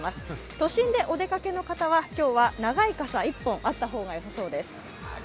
都心でお出かけの方は今日は長い傘が１本あった方がよさそうです。